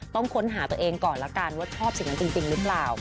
ต้องค้นหาตัวเองก่อนละกันว่าชอบสิ่งนั้นจริงหรือเปล่า